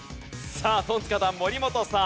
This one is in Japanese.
さあトンツカタン森本さん。